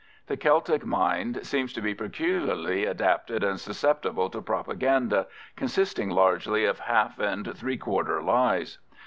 The Celtic mind seems to be peculiarly adapted and susceptible to propaganda consisting largely of half and three quarter lies.